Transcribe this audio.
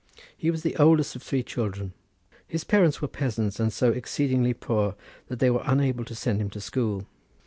He was the eldest of three children. His parents were peasants and so exceedingly poor that they were unable to send him to school.